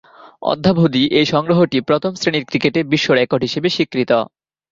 অদ্যাবধি এ সংগ্রহটি প্রথম-শ্রেণীর ক্রিকেটে বিশ্বরেকর্ড হিসেবে স্বীকৃত।